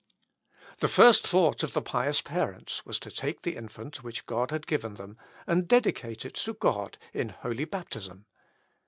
The first thought of the pious parents was to take the infant which God had given them, and dedicate it to God in holy baptism.